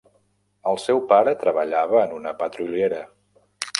El seu pare treballava en una petroliera.